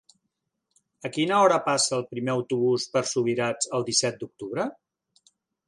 A quina hora passa el primer autobús per Subirats el disset d'octubre?